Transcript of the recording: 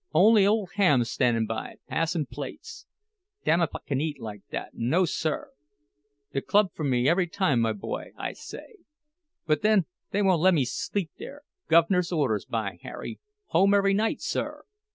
Only ole Ham standin' by, passin' plates—damfican eat like that, no sir! The club for me every time, my boy, I say. But then they won't lemme sleep there—guv'ner's orders, by Harry—home every night, sir!